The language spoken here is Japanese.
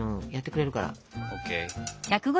ＯＫ。